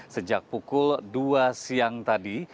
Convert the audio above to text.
sejak pukul dua siang tadi